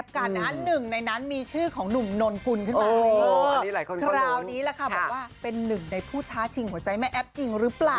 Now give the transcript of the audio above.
คราวนี้แหละค่ะบอกว่าเป็นหนึ่งในผู้ท้าชิงหัวใจแม่แอ๊บจริงหรือเปล่า